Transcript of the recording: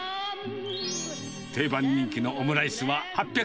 定番人気のオムライスは８００円。